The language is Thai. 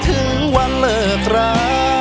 ถึงวันเลิกรา